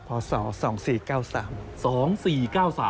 พศ๒๔๙๓